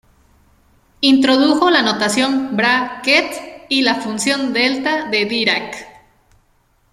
Introdujo la notación bra-ket y la función delta de Dirac.